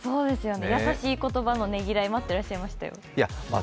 優しい言葉のねぎらい待ってらっしゃいましたよ。